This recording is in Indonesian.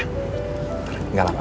ntar tinggal lama